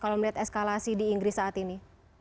apa yang terjadi saat ini